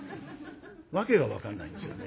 訳が分かんないんですよね。